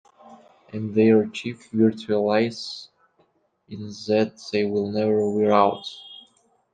And their chief virtue lies in that they will never wear out.